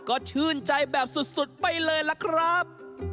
ก็ชื่นใจแบบสุดไปเลยล่ะครับ